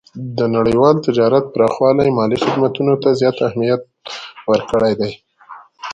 د نړیوال تجارت پراخوالی مالي خدمتونو ته زیات اهمیت ورکړی دی.